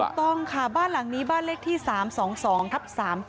ถูกต้องค่ะบ้านหลังนี้บ้านเลขที่๓๒๒ทับ๓๗